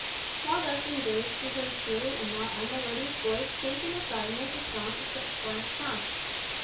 While thus engaged, he heard a cheery and not unmelodious voice chanting a fragment of song in some foreign tongue.